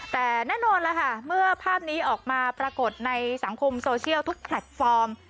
แต่แน่นอนล่ะค่ะเมื่อภาพนี้ออกมาปรากฏในสังคมโซเชียลทุกแพลตฟอร์ม